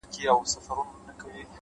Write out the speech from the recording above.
چي يوه لپه ښكلا يې راته راكړه’